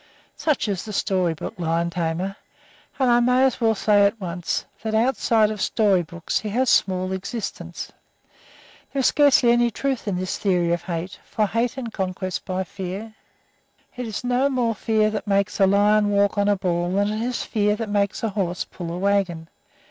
Such is the story book lion tamer, and I may as well say at once that outside of story books he has small existence. There is scarcely any truth in this theory of hate for hate and conquest by fear. It is no more fear that makes a lion walk on a ball than it is fear that makes a horse pull a wagon.